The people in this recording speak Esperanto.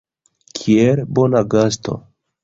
Kiel bona gasto.